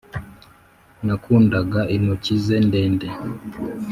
nakundaga intoki ze ndende